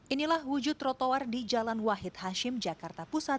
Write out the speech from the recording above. inilah wujud trotoar di jalan wahid hashim jakarta pusat